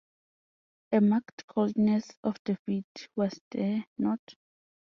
A marked coldness of the feet, was there not?